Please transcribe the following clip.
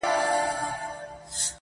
زه په دې خپل سركــي اوبـــه څـــښـمــه~